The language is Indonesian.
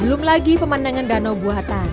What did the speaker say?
belum lagi pemandangan danau buatan